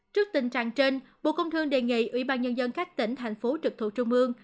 trước tình trạng trên bộ công thương đề nghị ủy ban nhân dân các tỉnh thành phố trực thuộc trung ương